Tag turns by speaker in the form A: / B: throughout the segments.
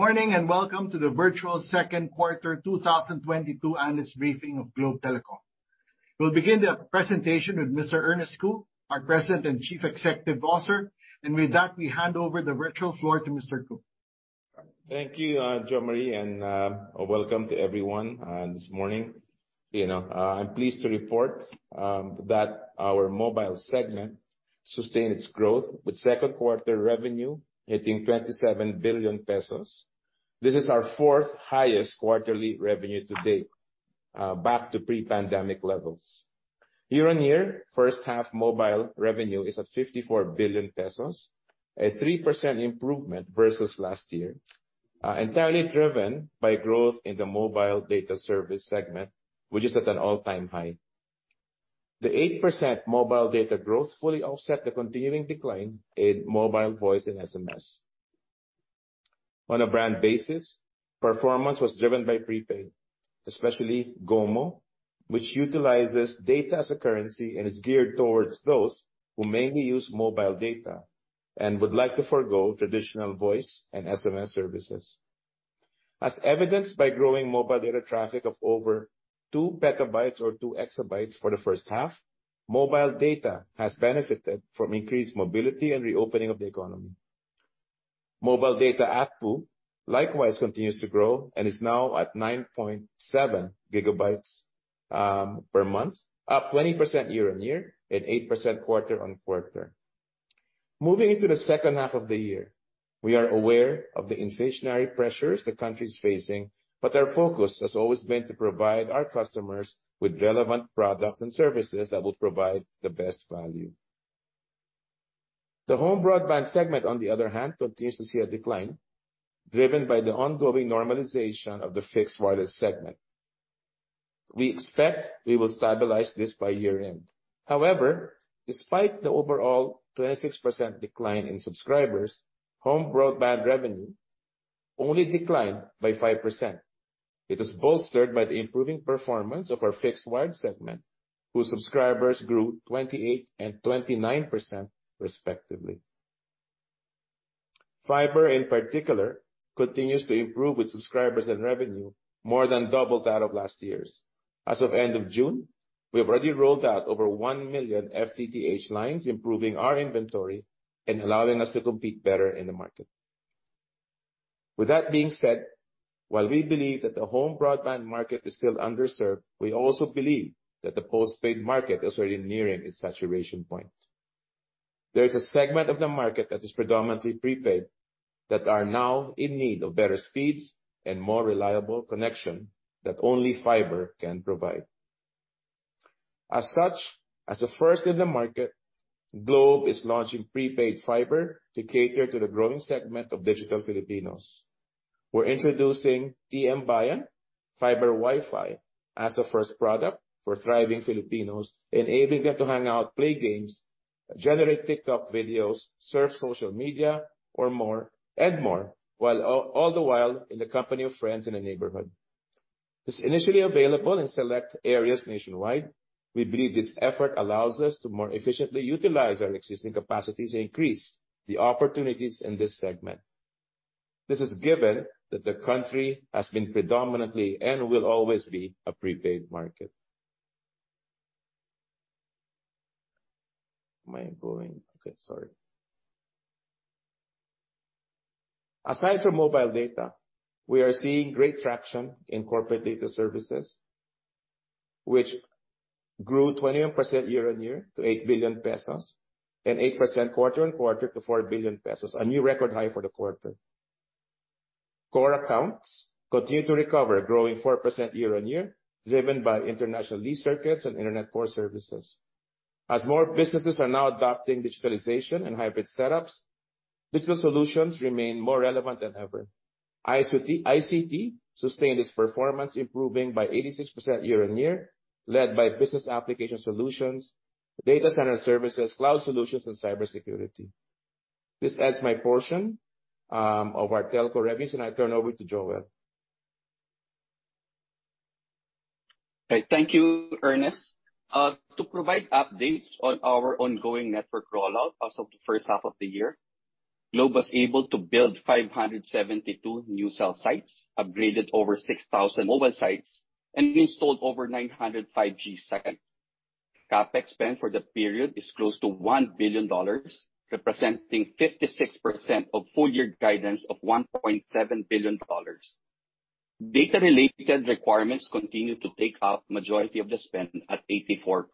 A: Good morning and welcome to the Virtual Second Quarter 2022 Analyst Briefing of Globe Telecom. We'll begin the presentation with Mr. Ernest Cu, our President and Chief Executive Officer. With that, we hand over the virtual floor to Mr. Cu.
B: Thank you, Jose Mari, and welcome to everyone this morning. You know, I'm pleased to report that our mobile segment sustained its growth with second quarter revenue hitting 27 billion pesos. This is our fourth highest quarterly revenue to date, back to pre-pandemic levels. Year-on-year, first half mobile revenue is at 54 billion pesos, a 3% improvement versus last year, entirely driven by growth in the mobile data service segment, which is at an all-time high. The 8% mobile data growth fully offset the continuing decline in mobile voice and SMS. On a brand basis, performance was driven by prepaid, especially GOMO, which utilizes data as a currency and is geared towards those who mainly use mobile data and would like to forgo traditional voice and SMS services. As evidenced by growing mobile data traffic of over 2 petabytes or 2 exabytes for the first half, mobile data has benefited from increased mobility and reopening of the economy. Mobile data ARPU likewise continues to grow and is now at 9.7 gigabytes per month, up 20% year-on-year and 8% quarter-on-quarter. Moving into the H2 of the year, we are aware of the inflationary pressures the country is facing, but our focus has always been to provide our customers with relevant products and services that will provide the best value. The home broadband segment, on the other hand, continues to see a decline driven by the ongoing normalization of the fixed wireless segment. We expect we will stabilize this by year-end. However, despite the overall 26% decline in subscribers, home broadband revenue only declined by 5%. It was bolstered by the improving performance of our fixed wire segment, whose subscribers grew 28% and 29% respectively. Fiber, in particular, continues to improve with subscribers and revenue more than double that of last year's. As of end of June, we have already rolled out over 1 million FTTH lines, improving our inventory and allowing us to compete better in the market. With that being said, while we believe that the home broadband market is still underserved, we also believe that the postpaid market is already nearing its saturation point. There is a segment of the market that is predominantly prepaid, that are now in need of better speeds and more reliable connection that only fiber can provide. As such, as a first in the market, Globe is launching prepaid fiber to cater to the growing segment of digital Filipinos. We're introducing TMBayan Fiber WiFi as the first product for thriving Filipinos, enabling them to hang out, play games, generate TikTok videos, surf social media or more and more, all the while in the company of friends in the neighborhood. It's initially available in select areas nationwide. We believe this effort allows us to more efficiently utilize our existing capacities and increase the opportunities in this segment. This is given that the country has been predominantly and will always be a prepaid market. Aside from mobile data, we are seeing great traction in corporate data services, which grew 21% year-on-year to 8 billion pesos and 8% quarter-on-quarter to 4 billion pesos, a new record high for the quarter. Core accounts continue to recover, growing 4% year-on-year, driven by international lease circuits and Internet port services. As more businesses are now adopting digitalization and hybrid setups, digital solutions remain more relevant than ever. ICT sustained its performance, improving by 86% year-on-year, led by business application solutions, data center services, cloud solutions, and cybersecurity. This ends my portion of our telco revenues, and I turn over to Joel.
C: Okay. Thank you, Ernest. To provide updates on our ongoing network rollout, as of the H1 of the year, Globe was able to build 572 new cell sites, upgraded over 6,000 mobile sites, and installed over 900 5G sites. CapEx spend for the period is close to $1 billion, representing 56% of full year guidance of $1.7 billion. Data related requirements continue to take up majority of the spend at 84%.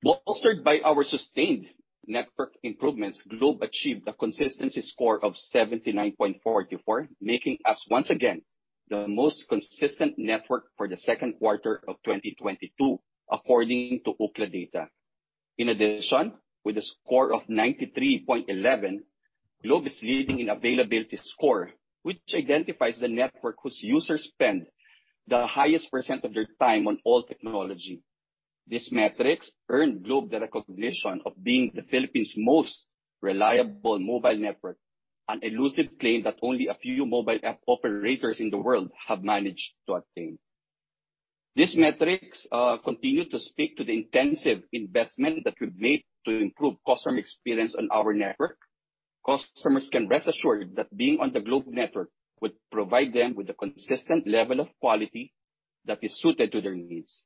C: Bolstered by our sustained network improvements, Globe achieved a consistency score of 79.4 in Q4, making us once again the most consistent network for the second quarter of 2022, according to Ookla data. In addition, with a score of 93.11, Globe is leading in availability score, which identifies the network whose users spend the highest percent of their time on all technology. These metrics earned Globe the recognition of being the Philippines' most reliable mobile network, an elusive claim that only a few mobile app operators in the world have managed to obtain. These metrics continue to speak to the intensive investment that we've made to improve customer experience on our network. Customers can rest assured that being on the Globe network would provide them with a consistent level of quality that is suited to their needs.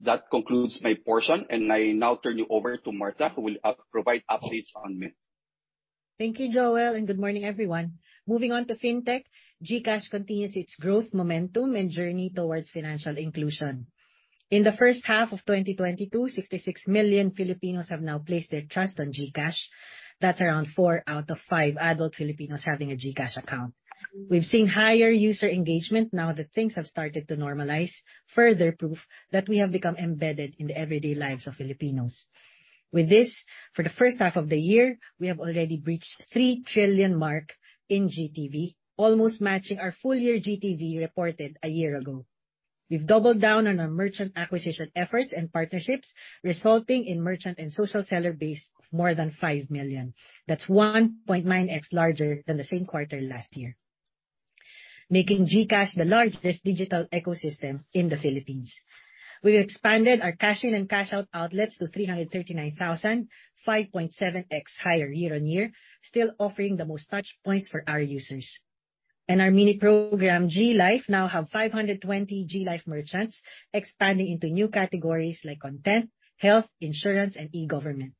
C: That concludes my portion, and I now turn you over to Martha, who will provide updates on Mynt.
D: Thank you, Joel, and good morning everyone. Moving on to Fintech, GCash continues its growth momentum and journey towards financial inclusion. In the first half of 2022, 66 million Filipinos have now placed their trust on GCash. That's around four out of five adult Filipinos having a GCash account. We've seen higher user engagement now that things have started to normalize, further proof that we have become embedded in the everyday lives of Filipinos. With this, for the H1 of the year, we have already breached the 3 trillion mark in GTV, almost matching our full year GTV reported a year ago. We've doubled down on our merchant acquisition efforts and partnerships, resulting in merchant and social seller base of more than 5 million. That's 1.9x larger than the same quarter last year, making GCash the largest digital ecosystem in the Philippines. We've expanded our cash in and cash out outlets to 339,000, 5.7x higher year-on-year, still offering the most touch points for our users. Our mini program, GLife, now have 520 GLife merchants expanding into new categories like content, health, insurance, and e-government.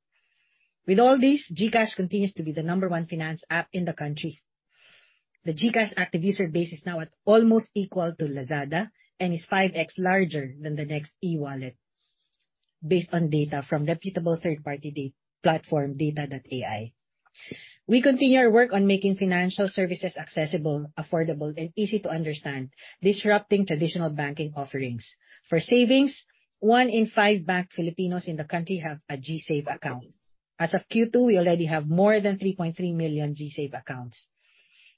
D: With all this, GCash continues to be the number one finance app in the country. The GCash active user base is now at almost equal to Lazada and is 5x larger than the next e-wallet based on data from reputable third-party platform data.ai. We continue our work on making financial services accessible, affordable, and easy to understand, disrupting traditional banking offerings. For savings, one in five banked Filipinos in the country have a GSave account. As of Q2, we already have more than 3.3 million GSave accounts.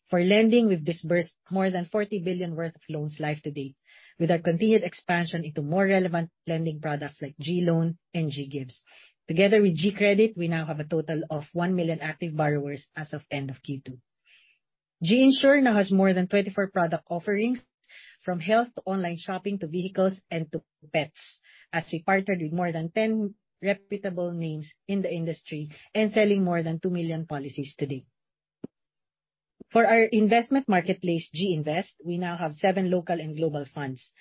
D: For lending, we've disbursed more than 40 billion worth of loans live to date with our continued expansion into more relevant lending products like GLoan and GGives. Together with GCredit, we now have a total of 1 million active borrowers as of end of Q2. GInsure now has more than 24 product offerings from health to online shopping to vehicles and to pets as we partnered with more than 10 reputable names in the industry and selling more than 2 million policies to date. For our investment marketplace, GInvest, we now have seven local and global funds.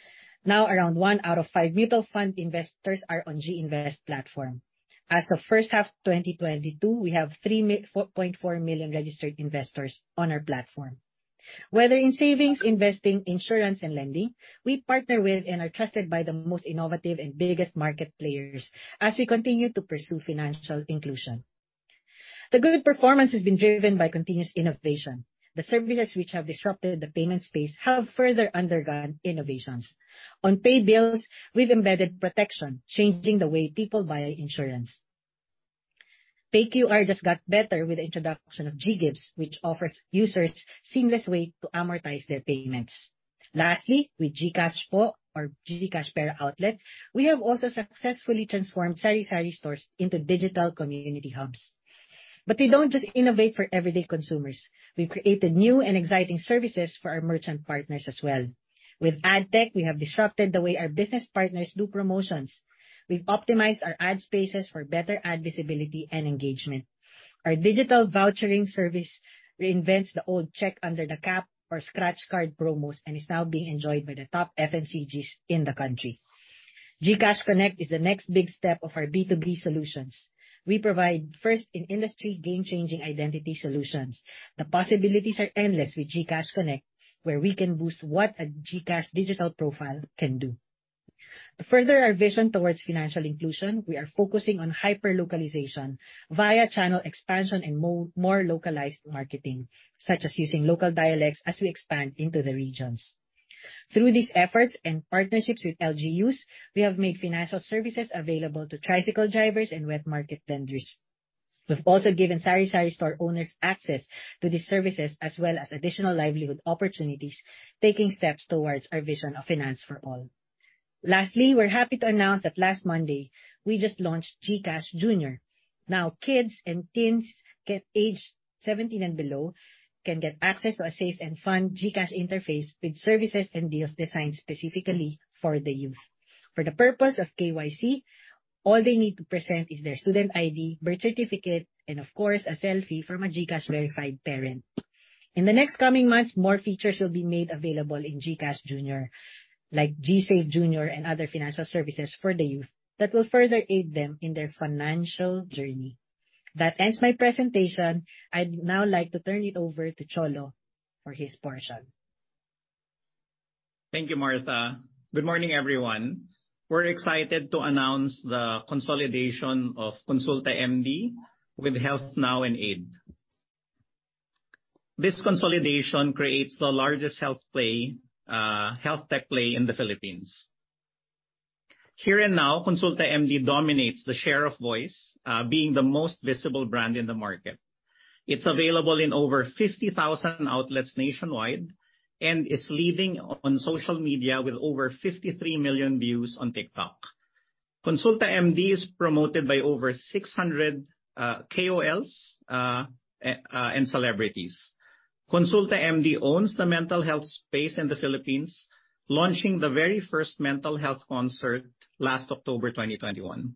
D: Now around one out of five mutual fund investors are on GInvest platform. As of first half 2022, we have 4.4 million registered investors on our platform. Whether in savings, investing, insurance, and lending, we partner with and are trusted by the most innovative and biggest market players as we continue to pursue financial inclusion. The good performance has been driven by continuous innovation. The services which have disrupted the payment space have further undergone innovations. On Pay Bills, we've embedded protection, changing the way people buy insurance. Pay QR just got better with the introduction of GGives, which offers users seamless way to amortize their payments. Lastly, with GCash Pera Outlet, we have also successfully transformed sari-sari stores into digital community hubs. We don't just innovate for everyday consumers. We've created new and exciting services for our merchant partners as well. With AdTech, we have disrupted the way our business partners do promotions. We've optimized our ad spaces for better ad visibility and engagement. Our digital vouchering service reinvents the old check under the cap or scratch card promos and is now being enjoyed by the top FMCGs in the country. GCash Connect is the next big step of our B2B solutions. We provide first-in-industry game-changing identity solutions. The possibilities are endless with GCash Connect, where we can boost what a GCash digital profile can do. To further our vision towards financial inclusion, we are focusing on hyperlocalization via channel expansion and more localized marketing, such as using local dialects as we expand into the regions. Through these efforts and partnerships with LGUs, we have made financial services available to tricycle drivers and wet market vendors. We've also given sari-sari store owners access to these services as well as additional livelihood opportunities, taking steps towards our vision of finance for all. Lastly, we're happy to announce that last Monday we just launched GCash Jr. Now kids and teens aged 17 and below can get access to a safe and fun GCash interface with services and deals designed specifically for the youth. For the purpose of KYC, all they need to present is their student ID, birth certificate, and of course, a selfie from a GCash verified parent. In the next coming months, more features will be made available in GCash Junior like GSave Junior and other financial services for the youth that will further aid them in their financial journey. That ends my presentation. I'd now like to turn it over to Cholo for his portion.
E: Thank you, Martha. Good morning, everyone. We're excited to announce the consolidation of KonsultaMD with HealthNow and AIDE. This consolidation creates the largest health play, health tech play in the Philippines. Here and now, KonsultaMD dominates the share of voice, being the most visible brand in the market. It's available in over 50,000 outlets nationwide and is leading on social media with over 53 million views on TikTok. KonsultaMD is promoted by over 600 KOLs and celebrities. KonsultaMD owns the mental health space in the Philippines, launching the very first mental health concert last October 2021.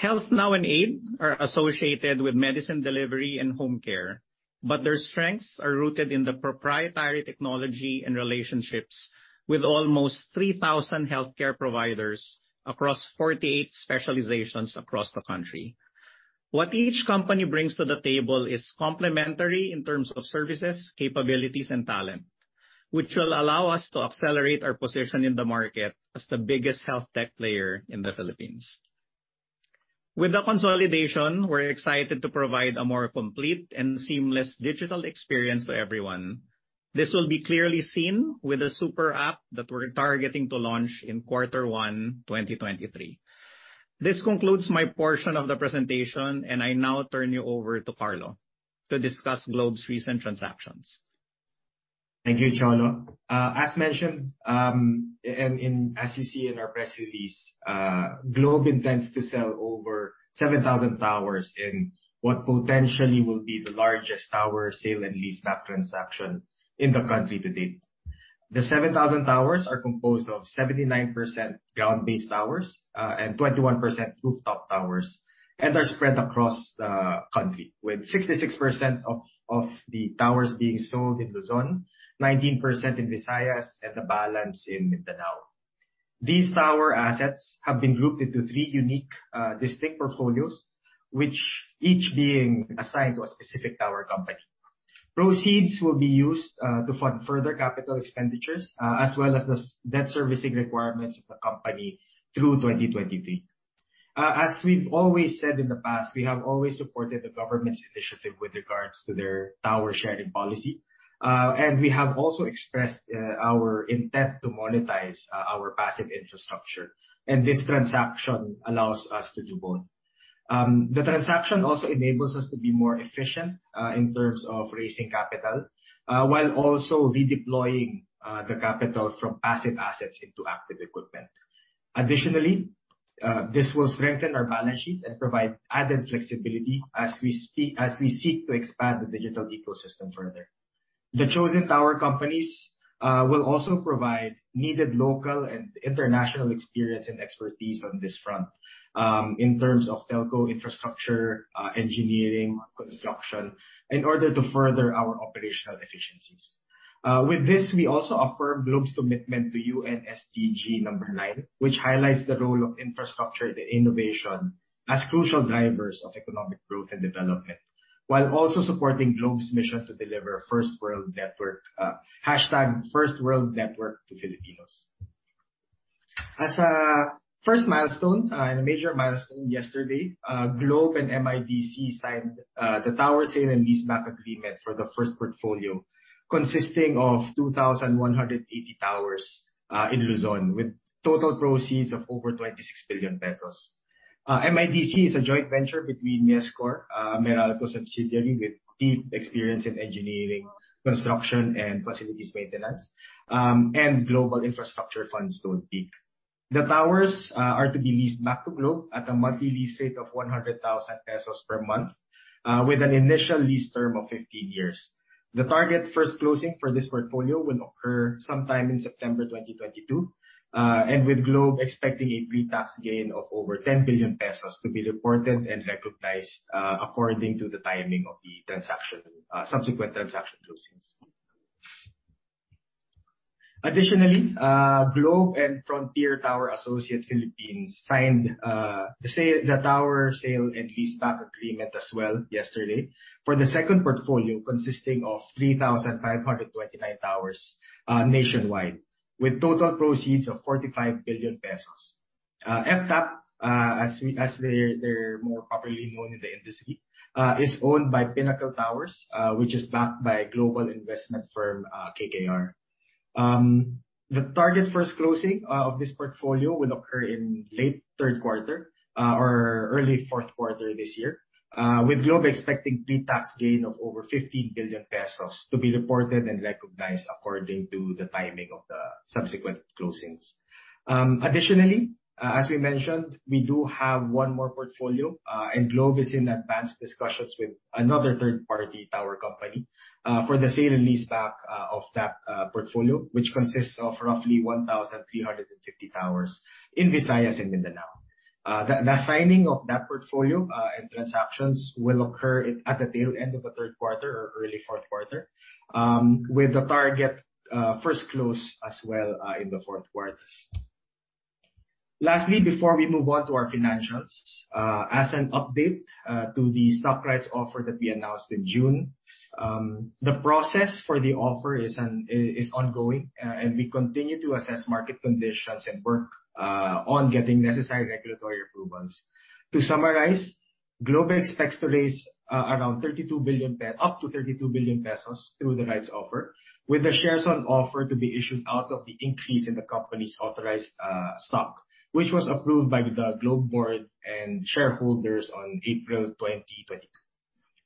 E: HealthNow and AIDE are associated with medicine delivery and home care, but their strengths are rooted in the proprietary technology and relationships with almost 3,000 healthcare providers across 48 specializations across the country. What each company brings to the table is complementary in terms of services, capabilities, and talent, which will allow us to accelerate our position in the market as the biggest health tech player in the Philippines. With the consolidation, we're excited to provide a more complete and seamless digital experience to everyone. This will be clearly seen with the super app that we're targeting to launch in quarter one, 2023. This concludes my portion of the presentation, and I now turn you over to Carlo to discuss Globe's recent transactions.
F: Thank you, Cholo. As mentioned, as you see in our press release, Globe intends to sell over 7,000 towers in what potentially will be the largest tower sale and leaseback transaction in the country to date. The 7,000 towers are composed of 79% ground-based towers and 21% rooftop towers, and are spread across the country, with 66% of the towers being sold in Luzon, 19% in Visayas and the balance in Mindanao. These tower assets have been grouped into three unique, distinct portfolios, which each being assigned to a specific tower company. Proceeds will be used to fund further capital expenditures, as well as the debt servicing requirements of the company through 2023. As we've always said in the past, we have always supported the government's initiative with regards to their tower sharing policy. We have also expressed our intent to monetize our passive infrastructure, and this transaction allows us to do both. The transaction also enables us to be more efficient in terms of raising capital while also redeploying the capital from passive assets into active equipment. Additionally, this will strengthen our balance sheet and provide added flexibility as we seek to expand the digital ecosystem further. The chosen tower companies will also provide needed local and international experience and expertise on this front, in terms of telco infrastructure, engineering, construction, in order to further our operational efficiencies. With this, we also affirm Globe's commitment to UN SDG 9, which highlights the role of infrastructure and innovation as crucial drivers of economic growth and development, while also supporting Globe's mission to deliver first world network, #1stWorldNetwork to Filipinos. As a first milestone and a major milestone yesterday, Globe and MIDC signed the tower sale and leaseback agreement for the first portfolio, consisting of 2,180 towers in Luzon, with total proceeds of over 26 billion pesos. MIDC is a joint venture between MIESCOR, Meralco subsidiary with deep experience in engineering, construction, and facilities maintenance, and Global Infrastructure Fund Stonepeak. The towers are to be leased back to Globe at a monthly lease rate of 100,000 pesos per month, with an initial lease term of 15 years. The target first closing for this portfolio will occur sometime in September 2022, and with Globe expecting a pre-tax gain of over 10 billion pesos to be reported and recognized, according to the timing of the transaction, subsequent transaction closings. Additionally, Globe and Frontier Tower Associates Philippines signed the tower sale and leaseback agreement as well yesterday for the second portfolio, consisting of 3,529 towers nationwide, with total proceeds of 45 billion pesos. FTAP, as they're more properly known in the industry, is owned by Pinnacle Towers, which is backed by global investment firm KKR. The target first closing of this portfolio will occur in late third quarter or early fourth quarter this year, with Globe expecting pre-tax gain of over 15 billion pesos to be reported and recognized according to the timing of the subsequent closings. Additionally, as we mentioned, we do have one more portfolio, and Globe is in advanced discussions with another third-party tower company, for the sale and leaseback of that portfolio, which consists of roughly 1,350 towers in Visayas and Mindanao. The signing of that portfolio and transactions will occur at the tail end of the third quarter or early fourth quarter, with the target first close as well, in the fourth quarter. Lastly, before we move on to our financials, as an update to the stock rights offer that we announced in June, the process for the offer is ongoing, and we continue to assess market conditions and work on getting necessary regulatory approvals. To summarize, Globe expects to raise around 32 billion up to 32 billion pesos through the rights offer, with the shares on offer to be issued out of the increase in the company's authorized stock, which was approved by the Globe board and shareholders on April 2022.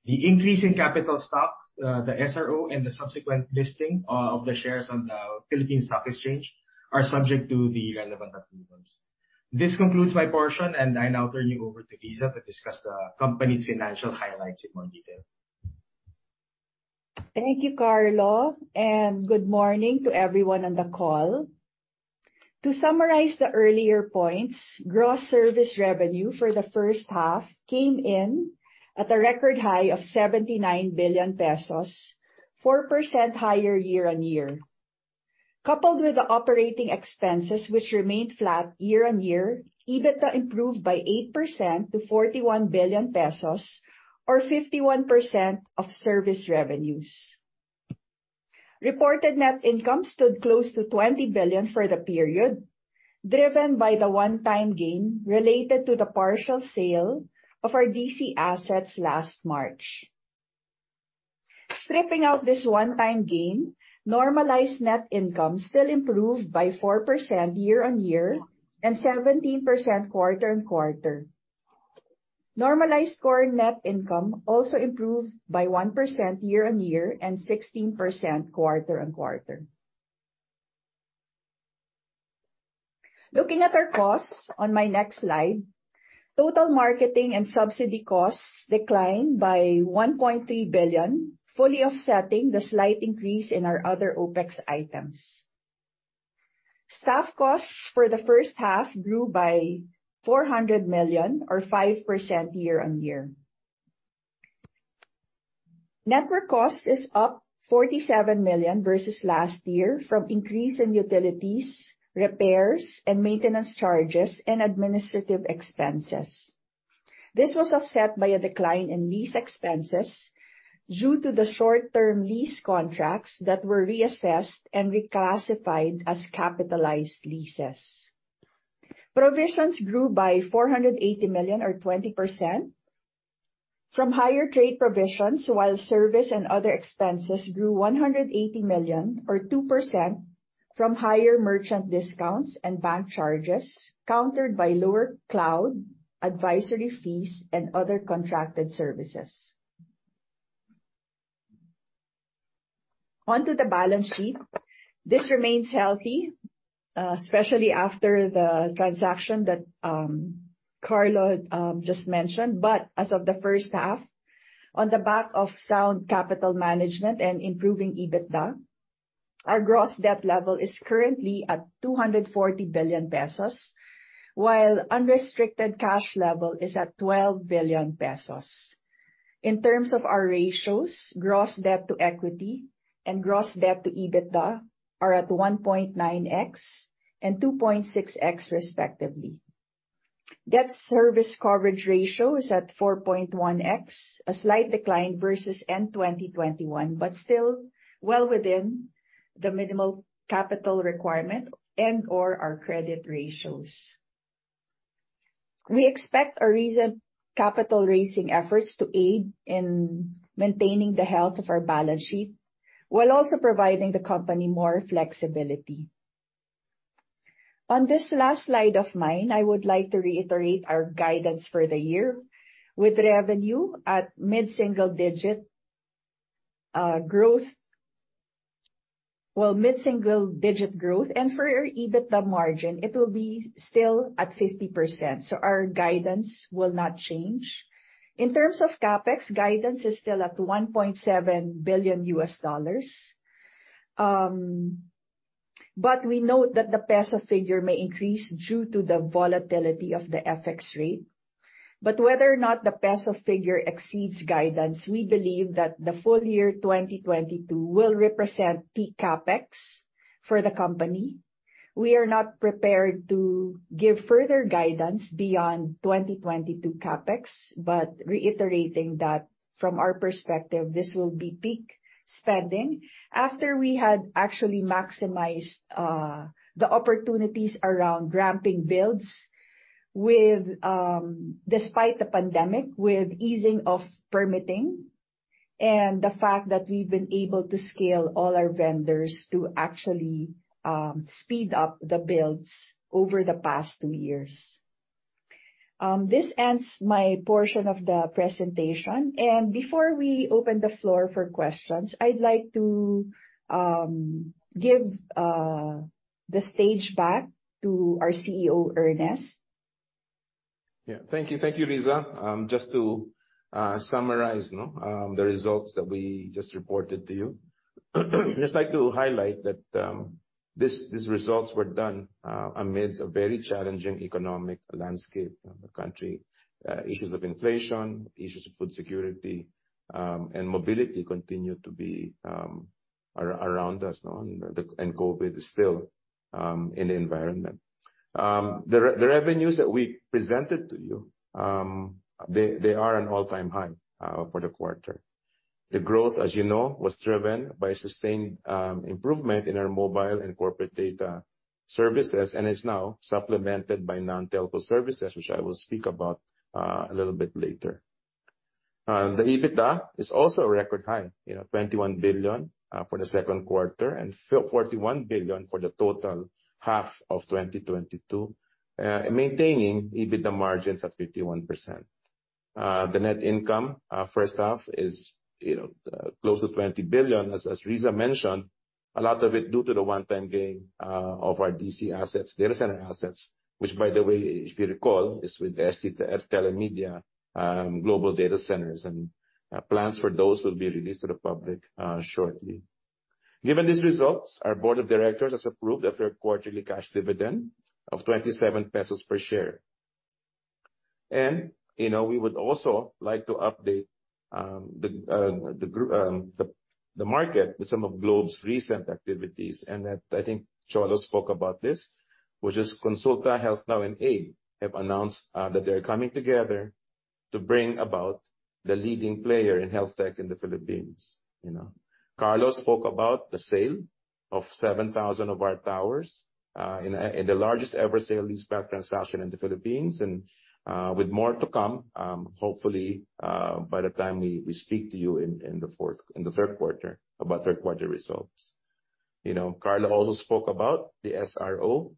F: The increase in capital stock, the SRO and the subsequent listing of the shares on the Philippine Stock Exchange are subject to the relevant approvals. This concludes my portion, and I now turn you over to Riza to discuss the company's financial highlights in more detail.
G: Thank you, Carlo, and good morning to everyone on the call. To summarize the earlier points, gross service revenue for the first half came in at a record high of 79 billion pesos, 4% higher year-on-year. Coupled with the operating expenses which remained flat year-on-year, EBITDA improved by 8% to 41 billion pesos or 51% of service revenues. Reported net income stood close to PHP 20 billion for the period, driven by the one-time gain related to the partial sale of our DC assets last March. Stripping out this one-time gain, normalized net income still improved by 4% year-on-year and 17% quarter-on-quarter. Normalized core net income also improved by 1% year-on-year and 16% quarter-on-quarter. Looking at our costs on my next slide, total marketing and subsidy costs declined by 1.3 billion, fully offsetting the slight increase in our other OpEx items. Staff costs for the first half grew by 400 million or 5% year-on-year. Network cost is up 47 million versus last year from increase in utilities, repairs and maintenance charges, and administrative expenses. This was offset by a decline in lease expenses due to the short-term lease contracts that were reassessed and reclassified as capitalized leases. Provisions grew by 480 million or 20% from higher trade provisions, while service and other expenses grew 180 million or 2% from higher merchant discounts and bank charges, countered by lower cloud advisory fees and other contracted services. Onto the balance sheet. This remains healthy, especially after the transaction that Carlo just mentioned. As of the first half, on the back of sound capital management and improving EBITDA, our gross debt level is currently at 240 billion pesos, while unrestricted cash level is at 12 billion pesos. In terms of our ratios, gross debt to equity and gross debt to EBITDA are at 1.9x and 2.6x, respectively. Debt service coverage ratio is at 4.1x, a slight decline versus end 2021, but still well within the minimal capital requirement and/or our credit ratios. We expect our recent capital raising efforts to aid in maintaining the health of our balance sheet, while also providing the company more flexibility. On this last slide of mine, I would like to reiterate our guidance for the year with revenue at mid-single digit growth. For our EBITDA margin, it will be still at 50%, so our guidance will not change. In terms of CapEx, guidance is still at $1.7 billion. We note that the peso figure may increase due to the volatility of the FX rate. Whether or not the peso figure exceeds guidance, we believe that the full year 2022 will represent peak CapEx for the company. We are not prepared to give further guidance beyond 2022 CapEx, but reiterating that from our perspective, this will be peak spending after we had actually maximized the opportunities around ramping builds with despite the pandemic, with easing of permitting and the fact that we've been able to scale all our vendors to actually speed up the builds over the past two years. This ends my portion of the presentation. Before we open the floor for questions, I'd like to give the stage back to our CEO, Ernest.
B: Yeah. Thank you. Thank you, Riza. Just to summarize the results that we just reported to you. Just like to highlight that these results were done amidst a very challenging economic landscape of the country. Issues of inflation, issues of food security, and mobility continue to be around us now, and COVID is still in the environment. The revenues that we presented to you, they are an all-time high for the quarter. The growth, as you know, was driven by sustained improvement in our mobile and corporate data services and is now supplemented by non-telco services, which I will speak about a little bit later. The EBITDA is also a record high, you know, 21 billion for the second quarter and 41 billion for the first half of 2022, maintaining EBITDA margins at 51%. The net income first half is, you know, close to 20 billion, as Riza mentioned, a lot of it due to the one-time gain of our DC assets, data center assets, which by the way, if you recall, is with ST Telemedia Global Data Centres and plans for those will be released to the public shortly. Given these results, our board of directors has approved a third quarterly cash dividend of 27 pesos per share. You know, we would also like to update the market with some of Globe's recent activities and that I think Cholo spoke about this, which is KonsultaMD, HealthNow, and AIDE have announced that they're coming together to bring about the leading player in health tech in the Philippines, you know. Carlo spoke about the sale of 7,000 of our towers in the largest ever sale leaseback transaction in the Philippines and with more to come, hopefully, by the time we speak to you in the third quarter about third quarter results. You know, Carlo also spoke about the SRO,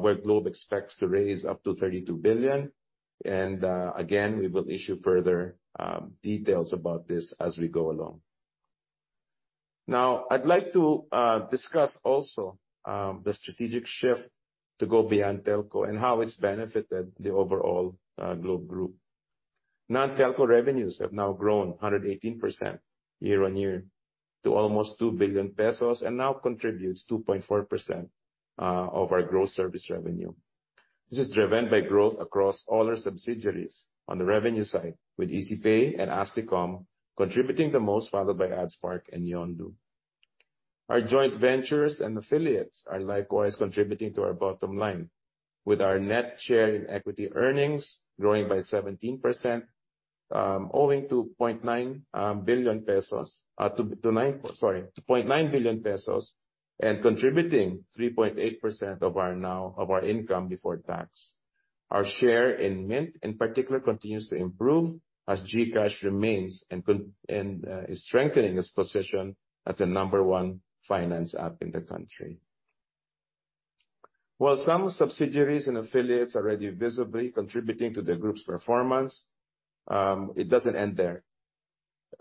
B: where Globe expects to raise up to 32 billion and again, we will issue further details about this as we go along. Now I'd like to discuss also the strategic shift to go beyond telco and how it's benefited the overall Globe Group. Non-telco revenues have now grown 118% year-on-year to almost 2 billion pesos and now contributes 2.4% of our gross service revenue. This is driven by growth across all our subsidiaries on the revenue side with ECPay and Asticom contributing the most, followed by AdSpark and Yondu. Our joint ventures and affiliates are likewise contributing to our bottom line, with our net share in equity earnings growing by 17% to 0.9 billion pesos and contributing 3.8% of our income before tax. Our share in Mynt in particular continues to improve as GCash remains and is strengthening its position as the number one finance app in the country. While some subsidiaries and affiliates are already visibly contributing to the group's performance, it doesn't end there.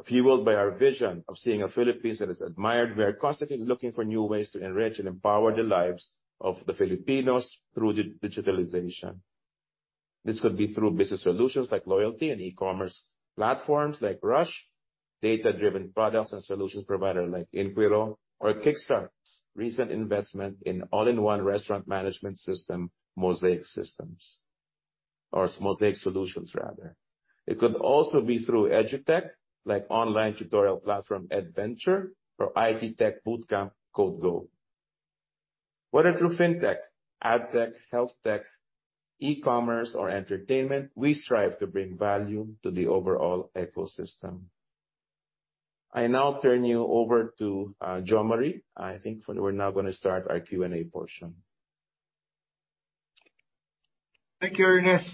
B: Fueled by our vision of seeing a Philippines that is admired, we are constantly looking for new ways to enrich and empower the lives of the Filipinos through digitalization. This could be through business solutions like loyalty and e-commerce platforms like Rush, data-driven products and solutions provider like Inquiro or Kickstart's recent investment in all-in-one restaurant management system, Mosaic Solutions. It could also be through EdTech, like online tutorial platform EdVenture or IT tech bootcamp KodeGo. Whether through fintech, agtech, healthtech, e-commerce or entertainment, we strive to bring value to the overall ecosystem. I now turn you over to Jose Mari. I think we're now gonna start our Q&A portion.
A: Thank you, Ernest.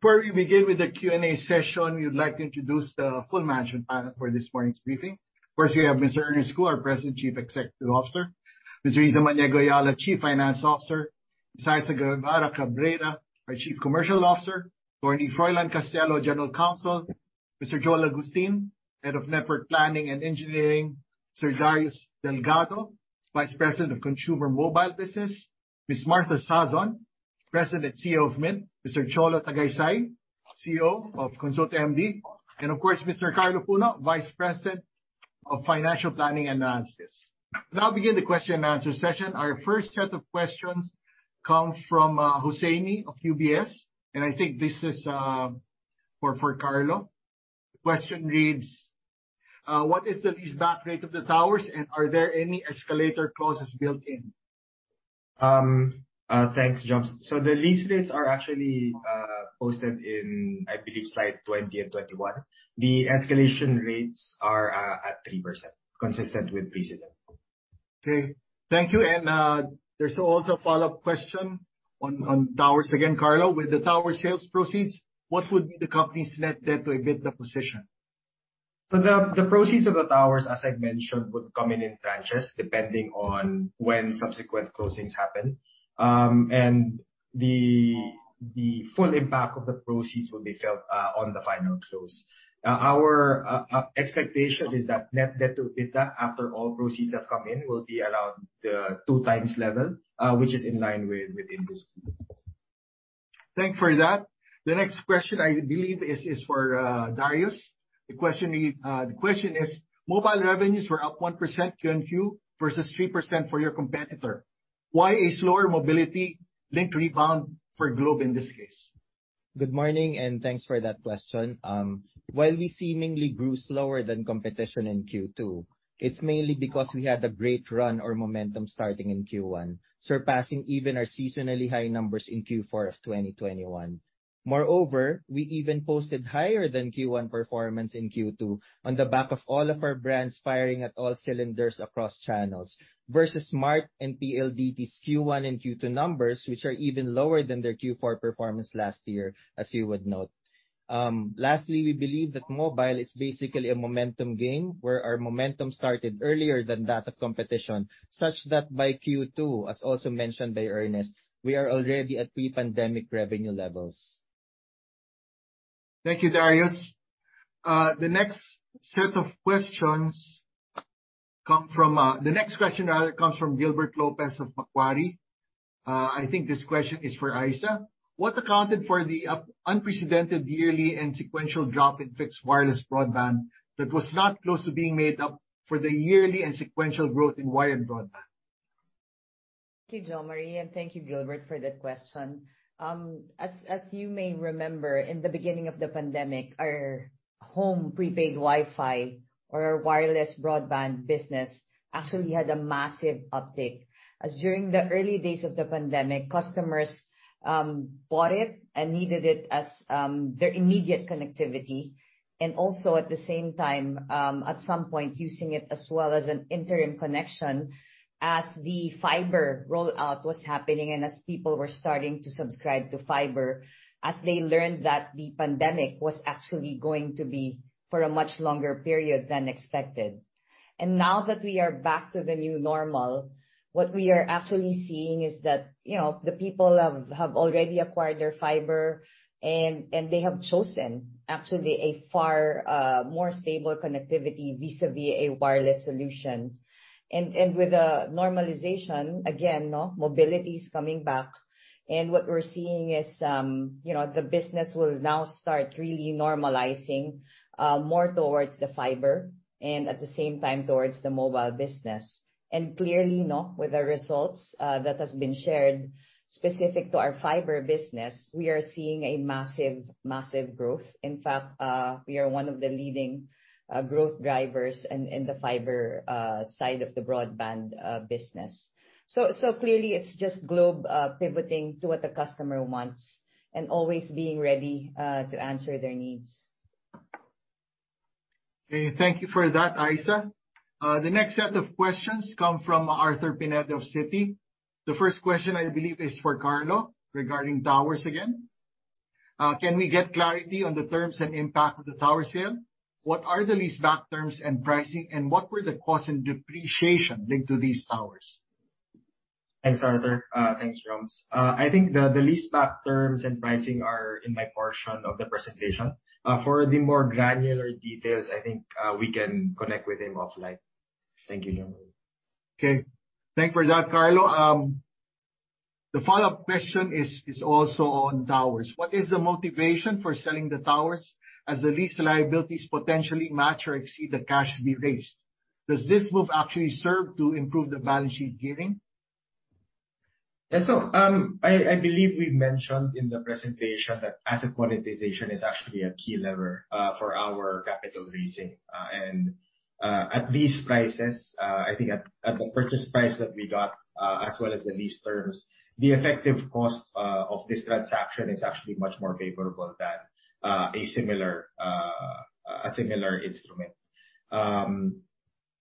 A: Before we begin with the Q&A session, we'd like to introduce the full management panel for this morning's briefing. First, we have Mr. Ernest Cu, our President, Chief Executive Officer. Miss Riza Maniego-Yala, Chief Financial Officer. Isa Guevara-Cabrera, our Chief Commercial Officer. Attorney Froilan Castelo, General Counsel. Mr. Joel Agustin, Head of Network Planning and Engineering. Sir Darius Delgado, Vice President of Consumer Mobile Business. Miss Martha Sazon, President and CEO of Mynt. Mr. Cholo Tagaysay, CEO of KonsultaMD. And of course, Mr. Juan Carlo Puno, Vice President of Financial Planning Analysis. We now begin the question and answer session. Our first set of questions come from Husseini of UBS, and I think this is for Carlo. The question reads, what is the leaseback rate of the towers, and are there any escalator clauses built in?
F: Thanks, Joms. The lease rates are actually posted in, I believe, slide 20 and 21. The escalation rates are at 3%, consistent with precedent.
A: Okay. Thank you. There's also a follow-up question on towers again, Carlo. With the tower sales proceeds, what would be the company's net debt to EBITDA position?
F: The proceeds of the towers, as I've mentioned, would come in tranches depending on when subsequent closings happen. The full impact of the proceeds will be felt on the final close. Our expectation is that net debt to EBITDA after all proceeds have come in will be around the 2x level, which is in line with industry.
A: Thank you for that. The next question I believe is for Darius. The question is, mobile revenues were up 1% Q-on-Q versus 3% for your competitor. Why a slower mobile-linked rebound for Globe in this case?
H: Good morning, and thanks for that question. While we seemingly grew slower than competition in Q2, it's mainly because we had a great run or momentum starting in Q1, surpassing even our seasonally high numbers in Q4 of 2021. Moreover, we even posted higher than Q1 performance in Q2 on the back of all of our brands firing at all cylinders across channels versus Smart and PLDT's Q1 and Q2 numbers, which are even lower than their Q4 performance last year, as you would note. Lastly, we believe that mobile is basically a momentum game where our momentum started earlier than that of competition, such that by Q2, as also mentioned by Ernest, we are already at pre-pandemic revenue levels.
A: Thank you, Darius. The next question comes from Gilbert Lopez of Macquarie. I think this question is for Issa. What accounted for the unprecedented yearly and sequential drop in fixed wireless broadband that was not close to being made up for the yearly and sequential growth in wired broadband?
I: Thank you, Jose Mari, and thank you, Gilbert, for that question. As you may remember, in the beginning of the pandemic, our home prepaid Wi-Fi or our wireless broadband business actually had a massive uptick, as during the early days of the pandemic, customers bought it and needed it as their immediate connectivity. Also at the same time, at some point using it as well as an interim connection as the fiber rollout was happening and as people were starting to subscribe to fiber, as they learned that the pandemic was actually going to be for a much longer period than expected. Now that we are back to the new normal, what we are actually seeing is that, you know, the people have already acquired their fiber and they have chosen actually a far more stable connectivity vis-à-vis a wireless solution. With the normalization, mobility is coming back. What we're seeing is, you know, the business will now start really normalizing more towards the fiber and at the same time towards the mobile business. Clearly, with the results that has been shared specific to our fiber business, we are seeing a massive growth. In fact, we are one of the leading growth drivers in the fiber side of the broadband business. Clearly it's just Globe pivoting to what the customer wants and always being ready to answer their needs.
A: Okay. Thank you for that, Issa. The next set of questions come from Arthur Pineda of Citi. The first question I believe is for Carlo regarding towers again. Can we get clarity on the terms and impact of the tower sale? What are the leaseback terms and pricing, and what were the costs and depreciation linked to these towers?
F: Thanks, Arthur. Thanks, Joms. I think the leaseback terms and pricing are in my portion of the presentation. For the more granular details, I think we can connect with him offline. Thank you, Jom.
A: Okay. Thanks for that, Carlo. The follow-up question is also on towers. What is the motivation for selling the towers as the lease liabilities potentially match or exceed the cash to be raised? Does this move actually serve to improve the balance sheet gearing?
F: Yeah. I believe we've mentioned in the presentation that asset monetization is actually a key lever for our capital raising. At these prices, I think at the purchase price that we got, as well as the lease terms, the effective cost of this transaction is actually much more favorable than a similar instrument.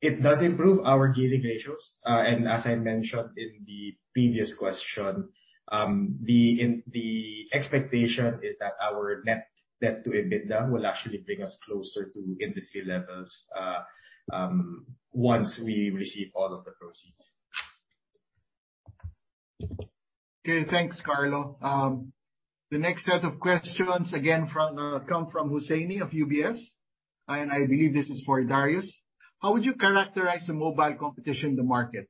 F: It does improve our gearing ratios. As I mentioned in the previous question, the expectation is that our net debt to EBITDA will actually bring us closer to industry levels once we receive all of the proceeds.
A: Okay. Thanks, Carlo. The next set of questions again from Husseini of UBS. I believe this is for Darius. How would you characterize the mobile competition in the market?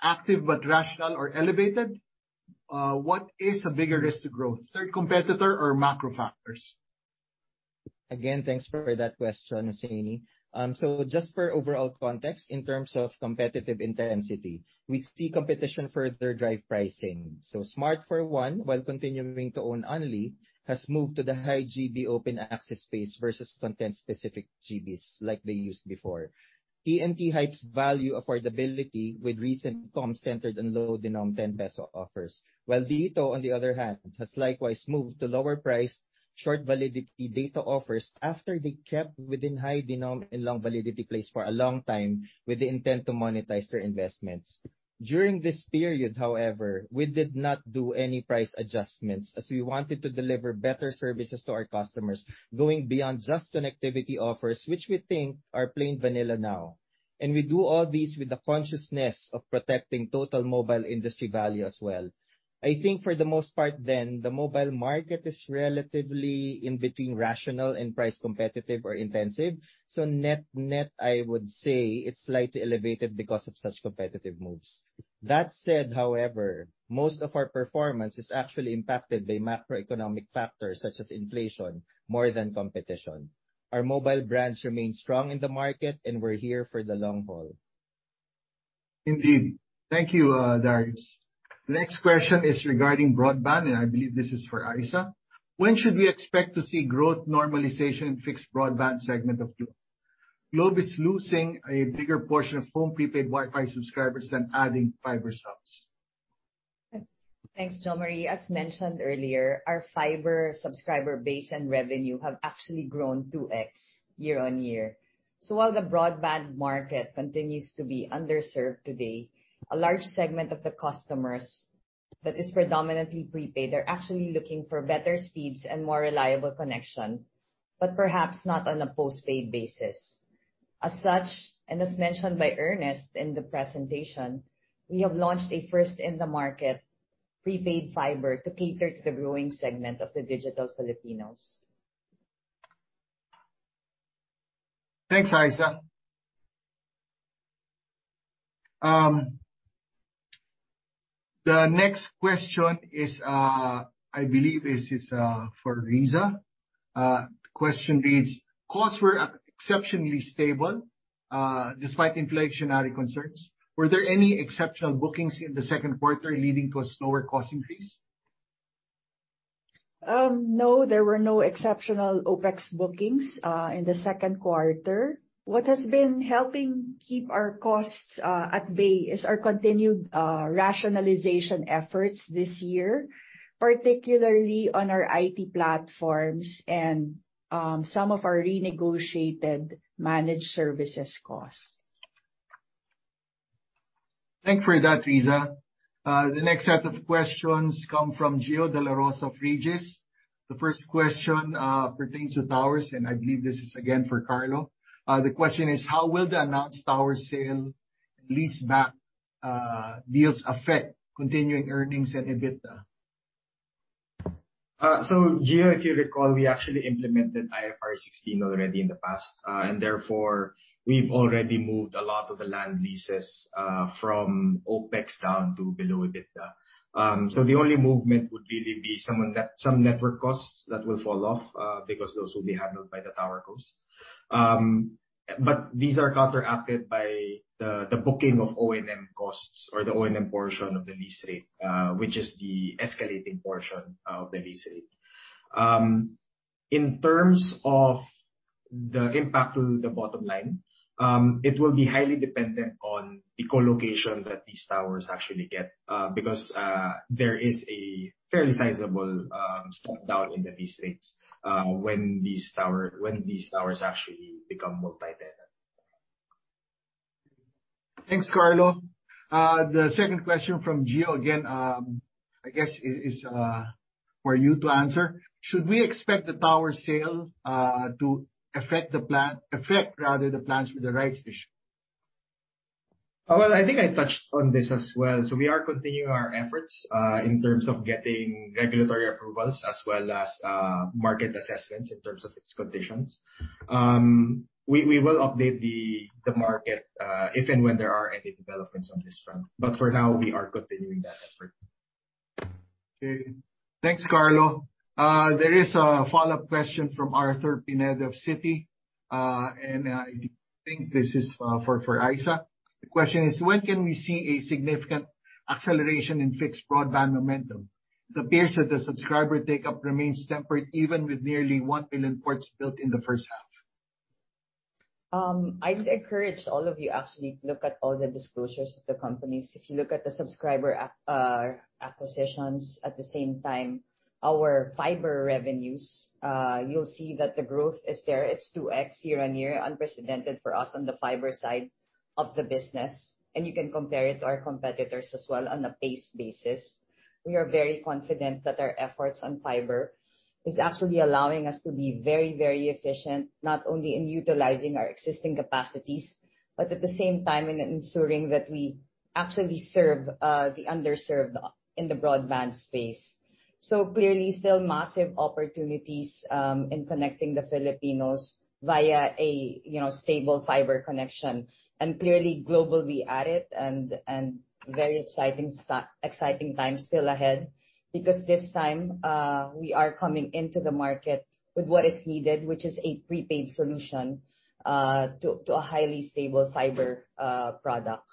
A: Active but rational or elevated? What is the bigger risk to growth, third competitor or macro factors?
H: Again, thanks for that question, Husseini. Just for overall context in terms of competitive intensity, we see competition further drive pricing. Smart for one, while continuing to own Unli, has moved to the high GB open access space versus content specific GBs like they used before. TNT hikes value affordability with recent comms centered on low denom 10 peso offers. While DITO, on the other hand, has likewise moved to lower price short validity data offers after they kept within high denom and long validity plans for a long time with the intent to monetize their investments. During this period, however, we did not do any price adjustments as we wanted to deliver better services to our customers, going beyond just connectivity offers, which we think are plain vanilla now. We do all this with the consciousness of protecting total mobile industry value as well. I think for the most part then, the mobile market is relatively in between rational and price competitive or intensive. Net, net, I would say it's slightly elevated because of such competitive moves. That said, however, most of our performance is actually impacted by macroeconomic factors such as inflation more than competition. Our mobile brands remain strong in the market, and we're here for the long haul.
A: Indeed. Thank you, Darius. Next question is regarding broadband, and I believe this is for Issa. When should we expect to see growth normalization in fixed broadband segment of Globe? Globe is losing a bigger portion of home prepaid Wi-Fi subscribers than adding fiber subs.
I: Thanks, Jose Mari. As mentioned earlier, our fiber subscriber base and revenue have actually grown 2x year-on-year. While the broadband market continues to be underserved today, a large segment of the customers that is predominantly prepaid are actually looking for better speeds and more reliable connection, but perhaps not on a postpaid basis. As such, and as mentioned by Ernest in the presentation, we have launched a first in the market, prepaid fiber to cater to the growing segment of the digital Filipinos.
A: Thanks, Isa. The next question is, I believe this is for Riza. The question reads: Costs were exceptionally stable, despite inflationary concerns. Were there any exceptional bookings in the second quarter leading to a slower cost increase?
G: No, there were no exceptional OpEx bookings in the second quarter. What has been helping keep our costs at bay is our continued rationalization efforts this year, particularly on our IT platforms and some of our renegotiated managed services costs.
A: Thank you for that, Riza. The next set of questions come from Gio Dela Rosa of Regis. The first question pertains to towers, and I believe this is again for Carlo. The question is: How will the announced tower sale and lease back deals affect continuing earnings and EBITDA?
F: Gio, if you recall, we actually implemented IFRS 16 already in the past, and therefore, we've already moved a lot of the land leases from OpEx down to below EBITDA. The only movement would really be some network costs that will fall off because those will be handled by the tower costs. These are counteracted by the booking of O&M costs or the O&M portion of the lease rate, which is the escalating portion of the lease rate. In terms of the impact to the bottom line, it will be highly dependent on the co-location that these towers actually get because there is a fairly sizable step-down in the lease rates when these towers actually become multi-tenant.
A: Thanks, Carlo. The second question from Gio again, I guess is for you to answer. Should we expect the tower sale to affect rather the plans for the rights issue?
F: Well, I think I touched on this as well. We are continuing our efforts in terms of getting regulatory approvals as well as market assessments in terms of its conditions. We will update the market if and when there are any developments on this front. For now, we are continuing that effort.
A: Okay. Thanks, Carlo. There is a follow-up question from Arthur Pineda of Citi. I think this is for Issa. The question is: When can we see a significant acceleration in fixed broadband momentum? It appears that the subscriber take-up remains tempered even with nearly 1 billion ports built in the first half.
I: I'd encourage all of you actually to look at all the disclosures of the companies. If you look at the subscriber acquisitions, at the same time, our fiber revenues, you'll see that the growth is there. It's 2x year-on-year, unprecedented for us on the fiber side of the business. You can compare it to our competitors as well on a pace basis. We are very confident that our efforts on fiber is actually allowing us to be very, very efficient, not only in utilizing our existing capacities, but at the same time in ensuring that we actually serve the underserved in the broadband space. Clearly, still massive opportunities in connecting the Filipinos via a, you know, stable fiber connection. Clearly Globe will be at it and very exciting times still ahead. Because this time, we are coming into the market with what is needed, which is a prepaid solution, to a highly stable fiber product.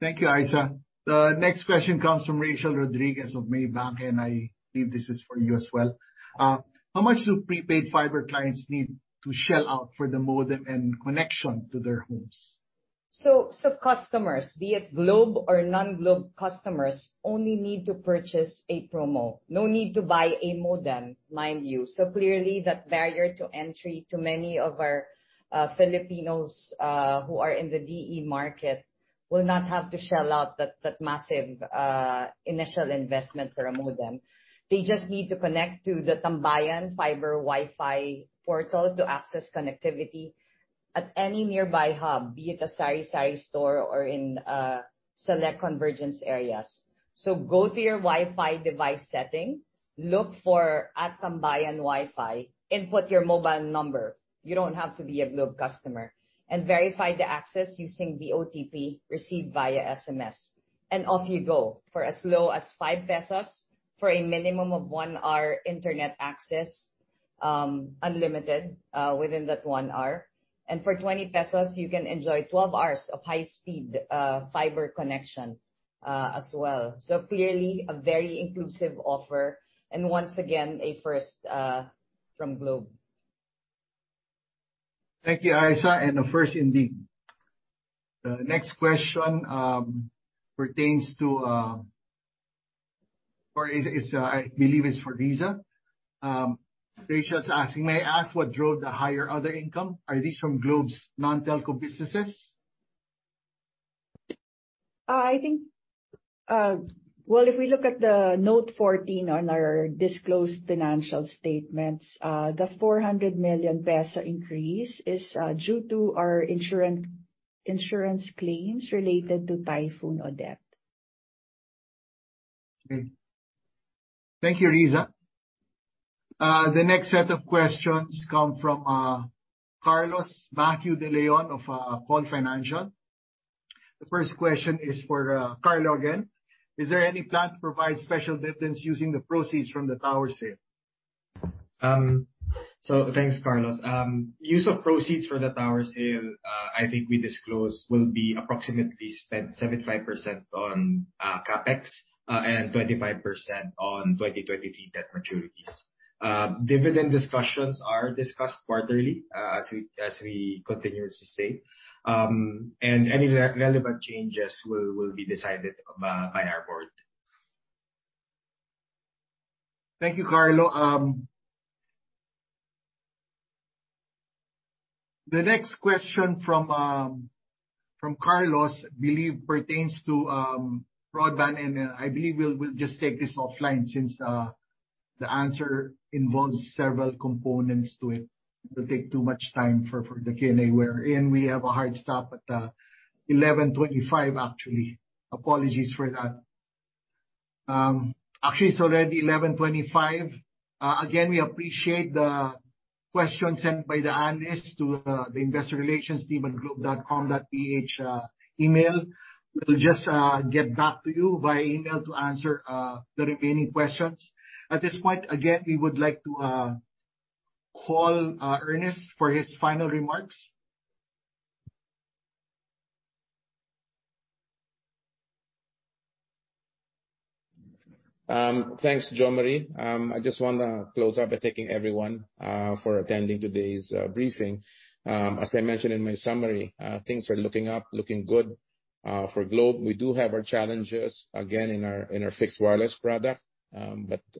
A: Thank you, Issa. The next question comes from Rachel Rodriguez of Maybank, and I believe this is for you as well. How much do prepaid fiber clients need to shell out for the modem and connection to their homes?
I: Customers, be it Globe or non-Globe customers, only need to purchase a promo. No need to buy a modem, mind you. Clearly that barrier to entry to many of our Filipinos who are in the DE market will not have to shell out that massive initial investment for a modem. They just need to connect to the TMBayan Fiber WiFi portal to access connectivity at any nearby hub, be it a sari-sari store or in select convergence areas. Go to your Wi-Fi device setting, look for TM Tambayan WiFi, input your mobile number. You don't have to be a Globe customer. Verify the access using the OTP received via SMS. Off you go. For as low as 5 pesos for a minimum of one hour internet access, unlimited within that one hour. For 20 pesos, you can enjoy 12 hours of high speed fiber connection as well. Clearly a very inclusive offer, and once again, a first from Globe.
A: Thank you, Issa. A first indeed. The next question is, I believe, for Riza. Rachel's asking: May I ask what drove the higher other income? Are these from Globe's non-telco businesses?
G: Well, if we look at Note 14 on our disclosed financial statements, the 400 million peso increase is due to our insurance claims related to Typhoon Odette.
A: Okay. Thank you, Riza. The next set of questions come from Carlos Bacu DeLeon of Paul Financial. The first question is for Carlo again. Is there any plan to provide special dividends using the proceeds from the tower sale?
F: Thanks, Carlos. Use of proceeds for the tower sale, I think we disclosed will be approximately spent 75% on CapEx and 25% on 2023 debt maturities. Dividend discussions are discussed quarterly as we continue to stay. Any relevant changes will be decided by our board.
A: Thank you, Carlo. The next question from Carlos I believe pertains to broadband, and I believe we'll just take this offline since the answer involves several components to it. It'll take too much time for the Q&A we're in. We have a hard stop at 11:25 A.M. actually. Apologies for that. Actually it's already 11:25 A.M. Again, we appreciate the questions sent by the analysts to the investor relations team at globe.com.ph email. We'll just get back to you via email to answer the remaining questions. At this point, again, we would like to call Ernest for his final remarks.
B: Thanks, Jose Mari. I just wanna close out by thanking everyone for attending today's briefing. As I mentioned in my summary, things are looking up, looking good, for Globe. We do have our challenges again in our fixed wireless product.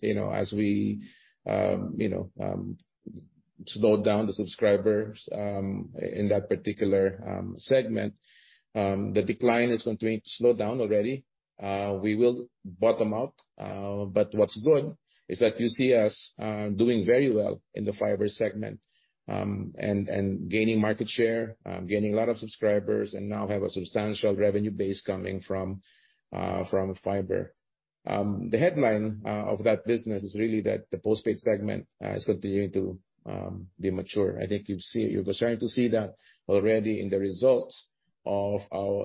B: You know, as we, you know, slow down the subscribers in that particular segment, the decline is going to slow down already. We will bottom out, but what's good is that you see us doing very well in the fiber segment and gaining market share, gaining a lot of subscribers and now have a substantial revenue base coming from fiber. The headline of that business is really that the post-paid segment is continuing to be mature. I think you've seen. You're starting to see that already in the results of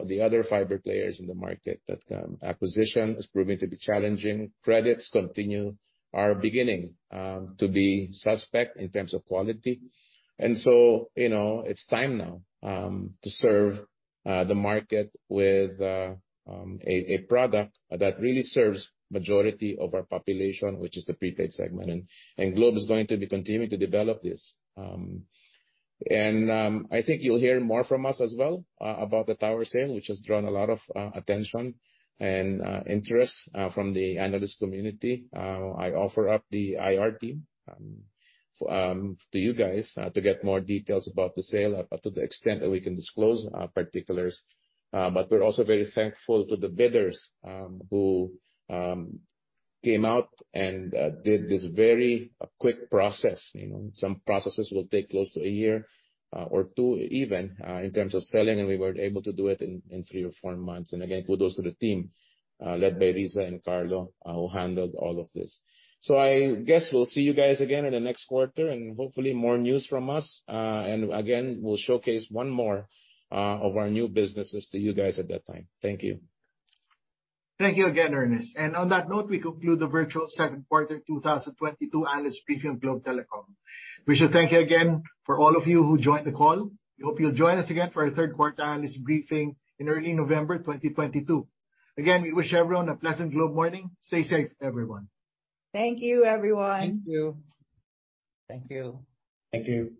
B: the other fiber players in the market that acquisition is proving to be challenging. Credits are beginning to be suspect in terms of quality. You know, it's time now to serve the market with a product that really serves majority of our population, which is the prepaid segment. Globe is going to be continuing to develop this. I think you'll hear more from us as well about the tower sale, which has drawn a lot of attention and interest from the analyst community. I offer up the IR team to you guys to get more details about the sale, but to the extent that we can disclose particulars. We're also very thankful to the bidders, who came out and did this very quick process. You know, some processes will take close to a year or two even in terms of selling, and we were able to do it in three or four months. Again, kudos to the team led by Riza and Carlo, who handled all of this. I guess we'll see you guys again in the next quarter, and hopefully more news from us. Again, we'll showcase one more of our new businesses to you guys at that time. Thank you.
A: Thank you again, Ernest. On that note, we conclude the virtual second quarter 2022 analyst briefing of Globe Telecom. We should thank you again for all of you who joined the call. We hope you'll join us again for our third quarter analyst briefing in early November 2022. Again, we wish everyone a pleasant Globe morning. Stay safe, everyone.
G: Thank you, everyone.
F: Thank you.
H: Thank you.
F: Thank you.